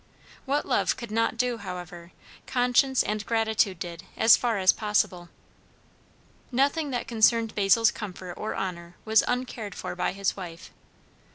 What love could not do, however, conscience and gratitude did as far as possible. Nothing that concerned Basil's comfort or honour was uncared for by his wife.